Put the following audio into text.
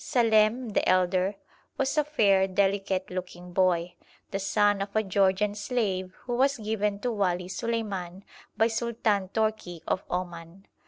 Salem, the elder, was a fair, delicate looking boy, the son of a Georgian slave who was given to Wali Suleiman by Sultan Tourki of Oman.